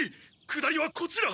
下りはこちら。